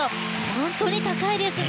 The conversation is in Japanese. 本当に高いですね。